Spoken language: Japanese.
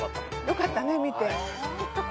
よかったね見て。